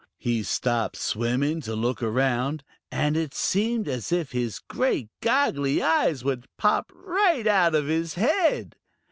He stopped swimming to look around, and it seemed as if his great goggly eyes would pop right out of his head.